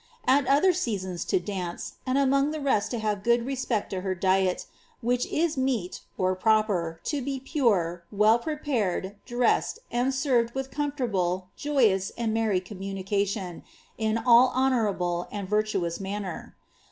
At other seasons to dance, and among the rest to have good respect to her diet, which is meet (proper) to be pure, well prepared, dressed, and served with comfortable, joyous, and merry communication, in all ho nourable and virtuous manner.